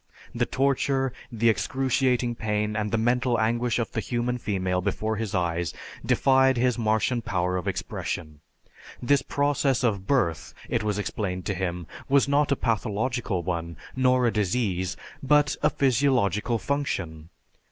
The torture, the excruciating pain, and the mental anguish of the human female before his eyes, defied his Martian power of expression. This process of birth, it was explained to him, was not a pathological one, nor a disease, but a physiological function.